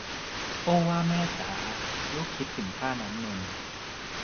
โอ้ว่าแม่จ๋า ลูกคิดถึงท่าน้ำนนท์